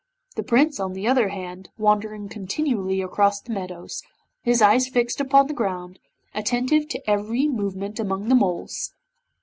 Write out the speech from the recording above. The Prince on the other hand wandering continually across the meadows, his eyes fixed upon the ground, attentive to every movement among the moles.